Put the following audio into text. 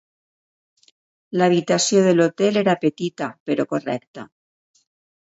L'habitació de l'hotel era petita, però correcta.